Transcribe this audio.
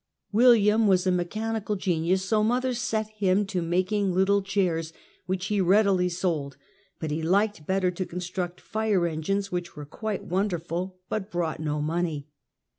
William was a mechanical genius, so mother set him to making little chairs, which he readily sold, but he liked better to construct fire engines, which were quite wonderful but brought no money.